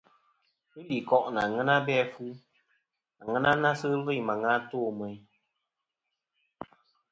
Ghɨ li koʼ nɨ aŋena abe afu, aŋena na sɨ ghɨ lvɨyn ma ghɨ to meyn.